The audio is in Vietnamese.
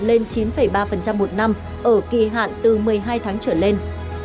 lên chín ba một năm ở kỳ hạn từ một mươi hai tháng trở lên